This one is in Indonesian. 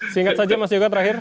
singkat saja mas yoga terakhir